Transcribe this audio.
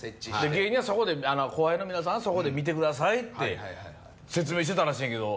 芸人はそこで後輩の皆さんはそこで見てくださいって説明してたらしいねんけど